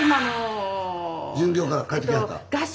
巡業から帰ってきはった？